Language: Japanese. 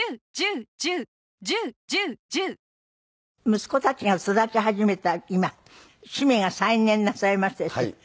息子たちが巣立ち始めた今趣味が再燃なさいましてですね